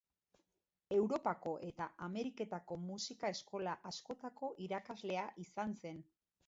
Europako eta Ameriketako musika-eskola askotako irakaslea izan zen.